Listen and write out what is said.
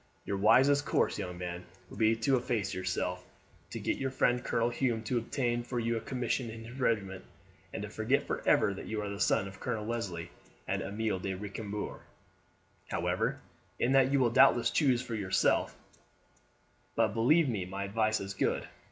Your wisest course, young man, would be to efface yourself, to get your friend Colonel Hume to obtain for you a commission in his regiment, and to forget for ever that you are the son of Colonel Leslie and Amelie de Recambours. However, in that you will doubtless choose for yourself; but believe me my advice is good.